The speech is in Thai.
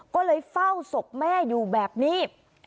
ก็เลยเฝ้าศพแม่อยู่แบบนี้